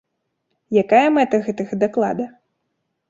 Якая мэта гэтага даклада?